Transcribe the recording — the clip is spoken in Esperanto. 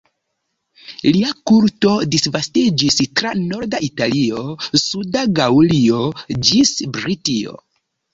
Lia kulto disvastiĝis tra norda Italio, suda Gaŭlio ĝis Britio.